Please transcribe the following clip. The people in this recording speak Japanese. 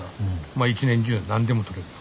まあ一年中何でも取れると。